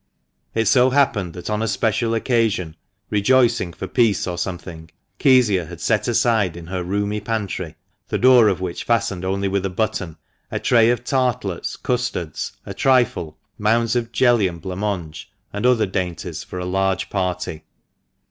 It so happened that on a special occasion (rejoicing for peace or something) Kezia had set aside in her roomy pantry, the door of which fastened only with a button, a tray of tartlets, custards, a trifle, moulds of jelly and blanc mange, and other dainties for a large party.